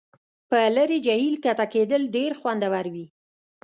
په لرې جهیل کښته کیدل ډیر خوندور وي